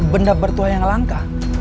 benda bertuah yang langka